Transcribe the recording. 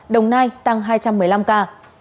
đồng nai tăng hai trăm một mươi năm ca